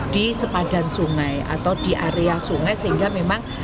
di sepadan sungai atau di area sungai sehingga memang